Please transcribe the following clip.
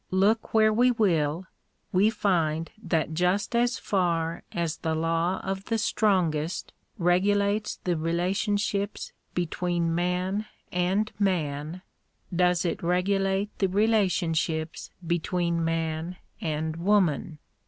Look where we will, we find that just as far as the law of the strongest regulates the relationships between man and man, does it regulate the relationships between man and woman.